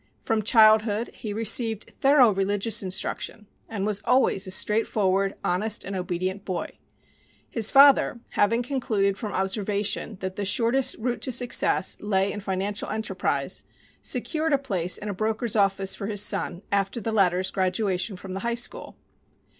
From childhood he received thorough religious instruction and was always a straightforward, honest and obedient boy. His father, having concluded from observation that the shortest route to success lay in financial enterprise, secured a place in a broker's office for his son after the latter's graduation from the high school.